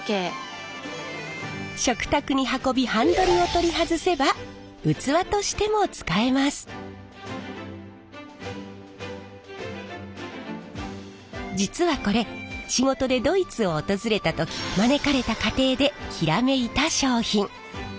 食卓に運びハンドルを取り外せば実はこれ仕事でドイツを訪れた時招かれた家庭でひらめいた商品。